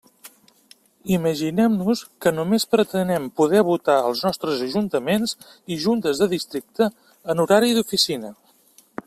Imaginem-nos que només pretenem poder votar als nostres ajuntaments i juntes de districte en horari d'oficina.